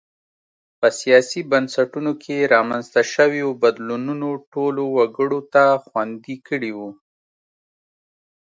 په سیاسي بنسټونو کې رامنځته شویو بدلونونو ټولو وګړو ته خوندي کړي وو.